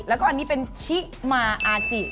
แล้วก็อันนี้เป็นชิมาอาจิ